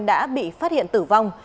đã bị phát hiện tử vong